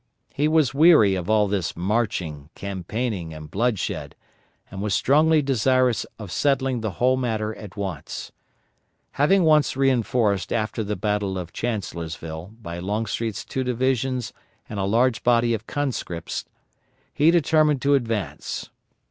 He was weary of all this marching, campaigning, and bloodshed, and was strongly desirous of settling the whole matter at once. Having been reinforced after the battle of Chancellorsville by Longstreet's two divisions and a large body of conscripts, he determined to advance.